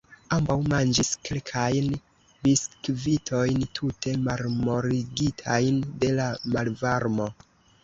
Ambaŭ manĝis kelkajn biskvitojn tute malmoligitajn de la malvarmo.